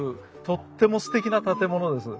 とってもすてきな建物です。